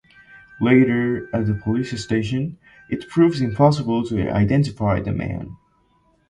Later, at the police station, it proves impossible to identify the man.